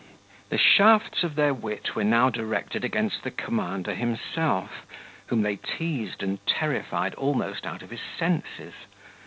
The shafts of their wit were now directed against the commander himself, whom they teased and terrified almost out of his senses.